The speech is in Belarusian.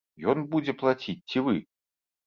Ён будзе плаціць ці вы?